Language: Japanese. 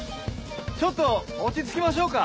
ちょっと落ち着きましょうか。